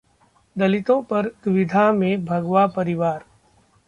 दलितों पर दुविधा में भगवा परिवार